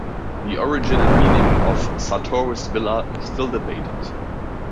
The origin and meaning of "Sartoris Villa" is still debated.